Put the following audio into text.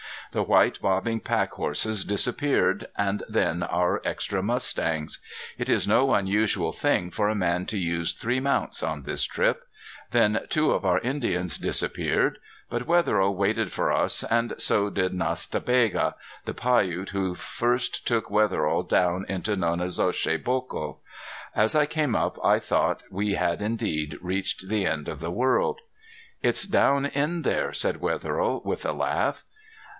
The white bobbing pack horses disappeared and then our extra mustangs. It is no unusual thing for a man to use three mounts on this trip. Then two of our Indians disappeared. But Wetherill waited for us and so did Nas ta Bega, the Piute who first took Wetherill down into Nonnezoshe Boco. As I came up I thought we had indeed reached the end of the world. "It's down in there," said Wetherill, with a laugh.